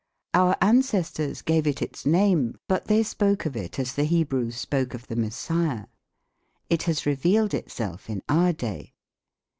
Our ancestors gave it its name, but they spoke of it as the Hebrews spoke of the Messiah. It has revealed itself in our day.